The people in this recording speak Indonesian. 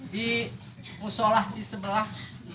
di musola di sebelah